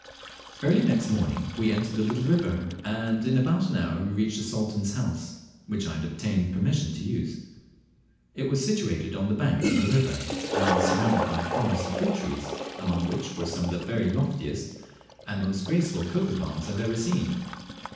Early next morning we entered the little river, and in about an hour we reached the Sultan's house, which I had obtained permission to use. It was situated on the bank of the river, and surrounded by a forest of fruit trees, among which were some of the very loftiest and most graceful cocoa nut palms I have ever seen.